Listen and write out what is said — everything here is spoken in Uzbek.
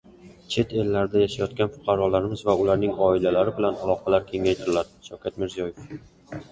Chet ellarda yashayotgan fuqarolarimiz va ularning oilalari bilan aloqalar kengaytiriladi-Shavkat Mirziyoyev